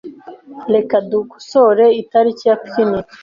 Reka dukosore itariki ya picnic .